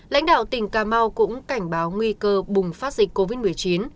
lãnh đạo tỉnh cà mau cũng cảnh báo nguy cơ bùng phát dịch covid một mươi chín